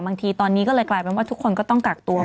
บางทีตอนนี้ก็เลยกลายเป็นว่าทุกคนก็ต้องกักตัวอย่างไทเทนียม